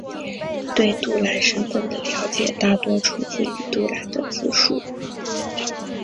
对杜兰身份的了解大多出自于杜兰的自述。